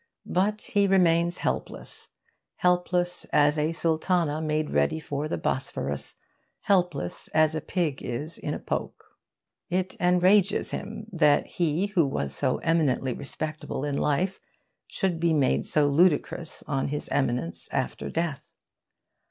But he remains helpless helpless as a Sultana made ready for the Bosphorus, helpless as a pig is in a poke. It enrages him that he who was so eminently respectable in life should be made so ludicrous on his eminence after death.